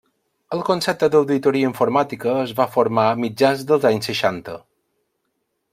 El concepte d’auditoria informàtica es va formar a mitjans dels anys seixanta.